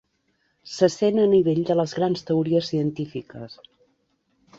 Se sent a nivell de les grans teories científiques.